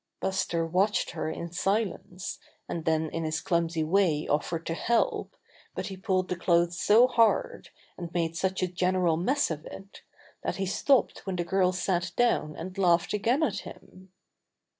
Buster watched her in silence, and then in his clumsy way offered to help, but he pulled the clothes so hard, and made such a general mess of it, that he stopped when the girl sat down and laughed again at him.